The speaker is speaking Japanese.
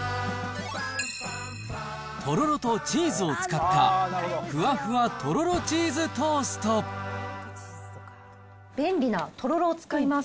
とろろとチーズを使った、便利なとろろを使います。